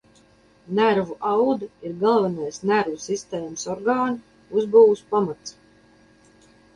Nervu audi ir galvenais nervu sistēmas orgānu uzbūves pamats.